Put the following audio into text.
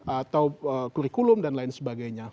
atau kurikulum dan lain sebagainya